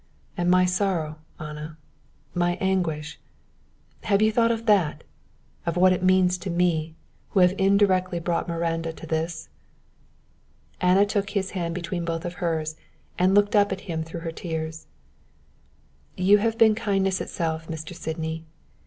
"And my sorrow, Anna, my anguish! Have you thought of that, of what it means to me, who have indirectly brought Miranda to this?" Anna took his hand between both of hers and looked up at him through her tears. "You have been kindness itself, Mr. Sydney.